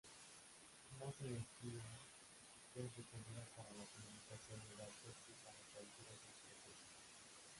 Más energía es requerida para la comunicación de datos que para cualquier otro proceso.